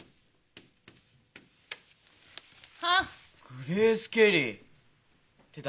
グレース・ケリーって誰？